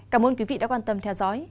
cảm ơn quý vị đã quan tâm theo dõi